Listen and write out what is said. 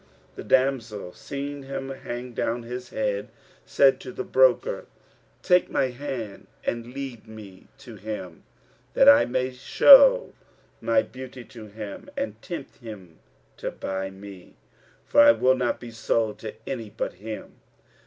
The damsel, seeing him hang down his head, said to the broker, "Take my hand and lead me to him, that I may show my beauty to him and tempt him to buy me; for I will not be sold to any but to him."